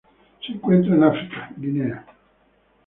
Se encuentran en África: Guinea.